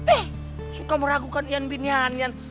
eh suka meragukan ian bin yanyan